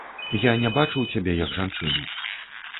Я не бачыў цябе як жанчыну.